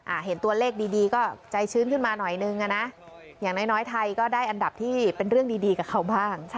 เห็นตัวเลขดีดีก็ใจชื้นขึ้นมาหน่อยนึงอ่ะนะอย่างน้อยน้อยไทยก็ได้อันดับที่เป็นเรื่องดีดีกับเขาบ้าง